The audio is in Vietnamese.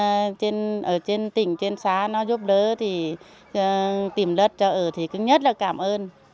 rồi trên tỉnh trên xã nó giúp đỡ thì tìm đất cho ở thì cứ nhất là cảm ơn